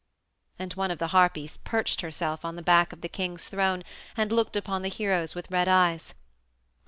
And one of the Harpies perched herself on the back of the king's throne and looked upon the heroes with red eyes.